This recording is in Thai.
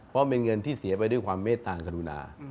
เพราะเป็นเงินที่เสียไปด้วยความเมตตางกรุณา